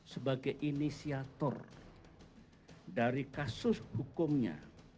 sebagai inisiator dari kasus hukumnya